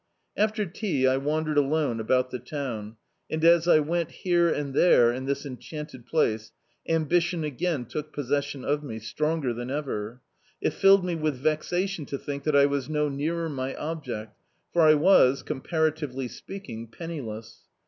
After tea I wandered alone about the town, and as I went here and there in this enchanted place, ambition again took possession of me, stronger than ever. It filled me with vexation to think that I was no nearer my object, for I was, comparatively speaking, penniless.